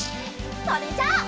それじゃあ。